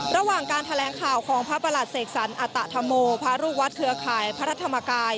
ระหว่างการแถลงข่าวของพระประหลัดเสกสรรอัตธรโมพระลูกวัดเครือข่ายพระธรรมกาย